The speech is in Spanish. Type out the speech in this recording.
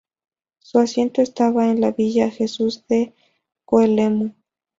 Su asiento estaba en la Villa Jesús de Coelemu.